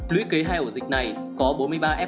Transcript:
lý kế hai hổ dịch này có bốn mươi ba f